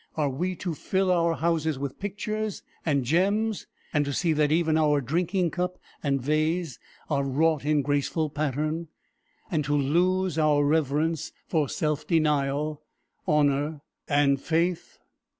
Are we to fill our houses with pictures and gems, and to see that even our drinking cup and vase are wrought in graceful pattern, and to lose our reverence for self denial, honor, and faith?